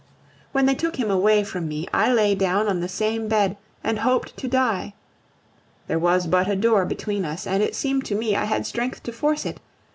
When they took him away from me, I lay down on the same bed and hoped to die. There was but a door between us, and it seemed to me I had strength to force it!